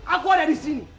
aku ada di sini